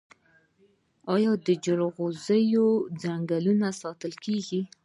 آیا د جلغوزیو ځنګلونه ساتل کیږي؟